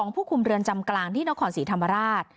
ผู้คุมเรือนจำกลางที่นครศรีธรรมราช